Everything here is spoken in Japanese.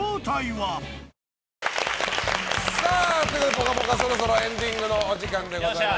「ぽかぽか」そろそろエンディングのお時間でございます。